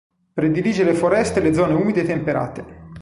Predilige le foreste e le zone umide temperate.